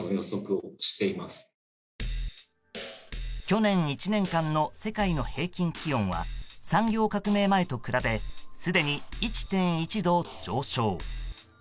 去年１年間の世界の平均気温は産業革命前と比べすでに１．１度上昇。